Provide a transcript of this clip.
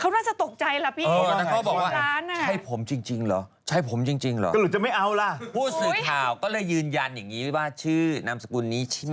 รูปสื่อข่าวก็เลยยืนยันอย่างนี้ว่าชื่อนามสกุลนี้ใช่ไหม